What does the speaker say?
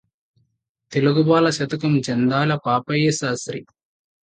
తెలుగుబాల! శతకంజంధ్యాల పాపయ్య శాస్త్రి